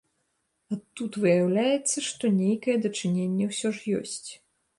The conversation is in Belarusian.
А тут выяўляецца, што нейкае дачыненне ўсё ж ёсць.